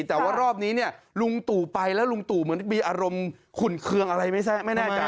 แต่ว่ารอบนี้เนี่ยลุงตู่ไปแล้วลุงตู่เหมือนมีอารมณ์ขุ่นเครื่องอะไรไม่แน่ใจ